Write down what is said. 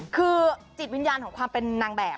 คือจิตวิญญาณของความเป็นนางแบบ